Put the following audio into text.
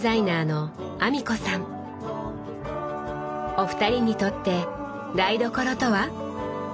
お二人にとって台所とは？